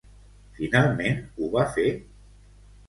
Finalment ho va fer?